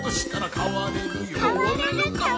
かわれるかわれる！